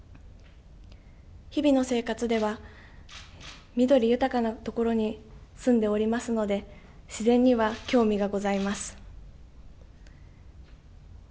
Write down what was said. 日々の生活では緑豊かなところに住んでおりますので自然には興味がございます。